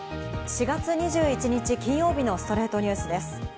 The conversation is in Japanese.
４月２１日、金曜日の『ストレイトニュース』です。